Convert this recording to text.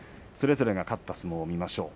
それぞれが勝った相撲を見ます。